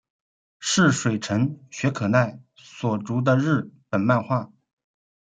是水城雪可奈所着的日本漫画。